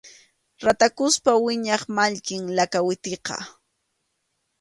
Ratakuspa wiñaq mallkim lakawitiqa.